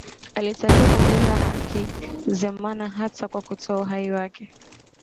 Alitakiwa kumlinda Hakizemana hata kwa kutoa uhai wake